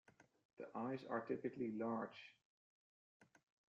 The eyes are typically large.